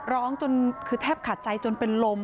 ร้องจนคือแทบขาดใจจนเป็นลม